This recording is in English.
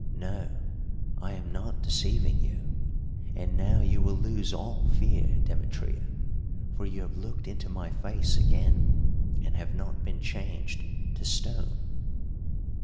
"No, I am not deceiving you. And now you will lose all fear, Demetria, for you have looked into my face again and have not been changed to stone."